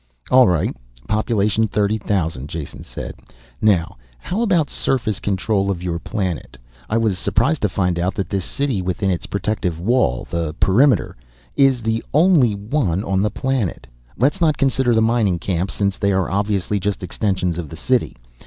"All right, population thirty thousand," Jason said. "Now how about surface control of your planet. I was surprised to find out that this city within its protective wall the perimeter is the only one on the planet. Let's not consider the mining camps, since they are obviously just extensions of the city.